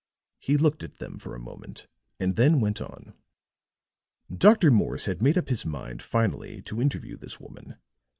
He looked at them for a moment, and then went on: "Dr. Morse had made up his mind finally to interview this woman.